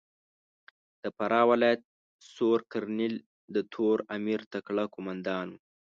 د فراه ولایت سور کرنېل د تور امیر تکړه کومندان ؤ.